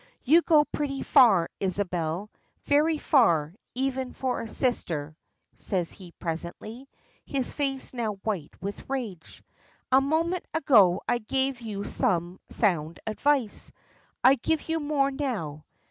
"You go pretty far, Isabel, very far, even for a sister," says he presently, his face now white with rage. "A moment ago I gave you some sound advice. I give you more now.